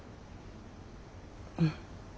うん。